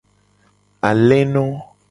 Aleno.